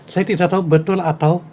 saya tidak tahu betul atau